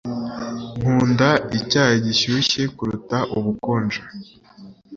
Nkunda icyayi gishyushye kuruta ubukonje